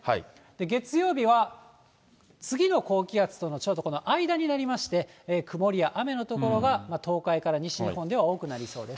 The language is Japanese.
月曜日は次の高気圧とのちょうどこの間になりまして、曇りや雨の所が東海から西日本では多くなりそうです。